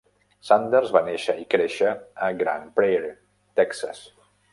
Sanders va néixer i créixer a Grand Prairie, Texas.